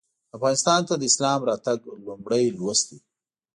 افغانستان ته د اسلام راتګ لومړی لوست دی.